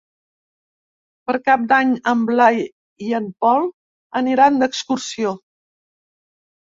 Per Cap d'Any en Blai i en Pol aniran d'excursió.